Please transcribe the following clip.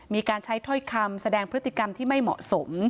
มีการใช้ถ้อยคำแสดงพฤติกรรมที่ไม่เหมาะสม